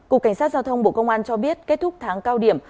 cục cảnh sát giao thông bộ công an cho biết kết thúc tháng cao điểm